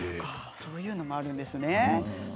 そういうのもあるんですね。